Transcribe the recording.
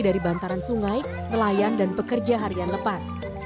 dari bantaran sungai nelayan dan pekerja harian lepas